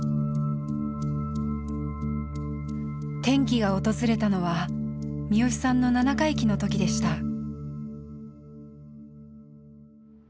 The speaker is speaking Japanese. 転機が訪れたのは視良さんの七回忌の時でした。